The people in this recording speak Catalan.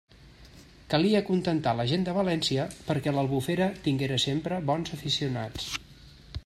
Calia acontentar la gent de València, perquè l'Albufera tinguera sempre bons aficionats.